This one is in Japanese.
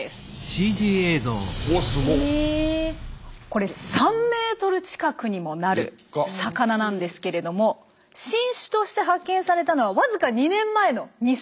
これ３ｍ近くにもなる魚なんですけれども新種として発見されたのはわずか２年前の２０２０年。